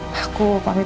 kalau aku sih simpel